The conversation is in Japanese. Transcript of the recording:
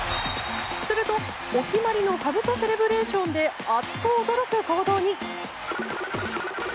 すると、お決まりのかぶとセレブレーションでアッと驚く行動に。